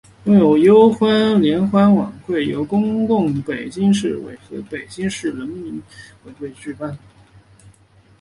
拥军优属联欢晚会由中共北京市委和北京市人民委员会举办。